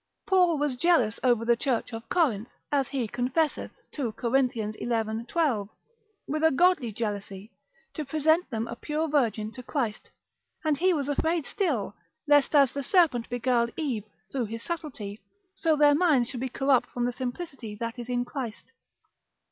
Paul was jealous over the Church of Corinth, as he confesseth, 2 Cor. xi. 12. With a godly jealousy, to present them a pure virgin to Christ; and he was afraid still, lest as the serpent beguiled Eve, through his subtlety, so their minds should be corrupt from the simplicity that is in Christ.